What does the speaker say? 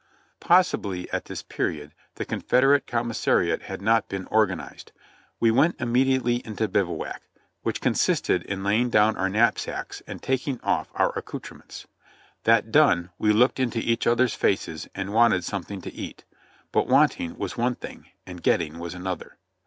Possibly at this period the Confederate Commissariat had not been or ganized. We went immediately into bivouac, which consisted in laying down our knapsacks and taking off our accoutrements; that done, we looked into each other's faces and wanted some thing to eat; but wanting was one thing and getting was an other.